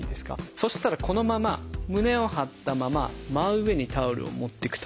そしたらこのまま胸を張ったまま真上にタオルを持っていくと。